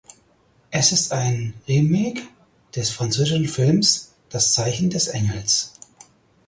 Es ist ein Remake des französischen Films "Das Zeichen des Engels".